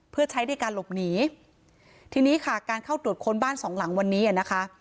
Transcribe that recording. เพื่อใช้ในการหลบหนีทีนี้ค่ะการเข้าตรวจค้นบ้านสองหลังวันนี้อ่ะนะคะ